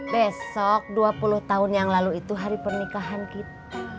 besok dua puluh tahun yang lalu itu hari pernikahan kita